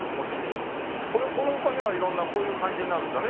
この他には色んなこういう感じになるんだね